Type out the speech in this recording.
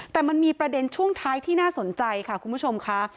แต่มันมีประเด็นช่วงท้ายที่น่าสนใจค่ะคุณผู้ชมค่ะ